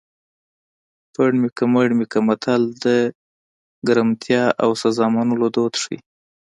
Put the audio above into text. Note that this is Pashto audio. پړ مې کړه مړ مې کړه متل د ګرمتیا او سزا منلو دود ښيي